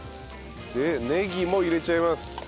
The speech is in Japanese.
でネギも入れちゃいます。